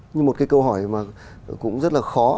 nhưng một cái câu hỏi mà cũng rất là khó